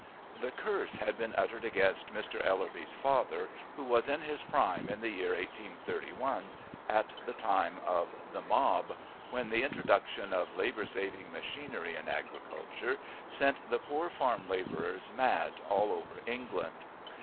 The curse had been uttered against Mr. Ellerby's father, who was in his prime in the year 1831 at the time of the "mob," when the introduction of labour saving machinery in agriculture sent the poor farm labourers mad all over England.